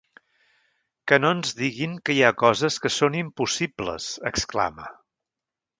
Que no ens diguin que hi ha coses que són impossibles, exclama.